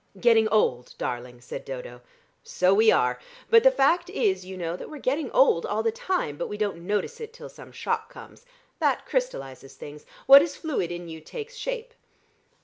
"Getting old, darling," said Dodo. "So we are. But the fact is, you know, that we're getting old all the time, but we don't notice it till some shock comes. That crystallises things. What is fluid in you takes shape."